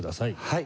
はい。